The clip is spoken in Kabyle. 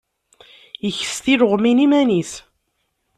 Ikes tileɣmin iman-is.